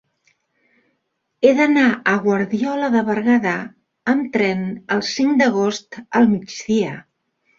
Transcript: He d'anar a Guardiola de Berguedà amb tren el cinc d'agost al migdia.